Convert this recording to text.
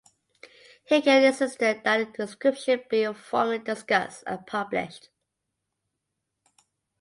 He again insisted that the inscription be formally discussed and published.